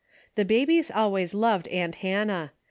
The babies always loved aunt Hannah.